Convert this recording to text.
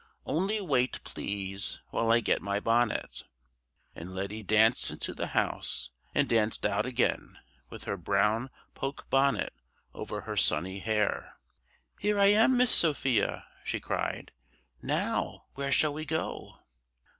Only wait, please, while I get my bonnet!" And Letty danced into the house, and danced out again with her brown poke bonnet over her sunny hair. "Here I am, Miss Sophia!" she cried. "Now, where shall we go?"